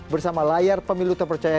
bersama layar pemilu terpercaya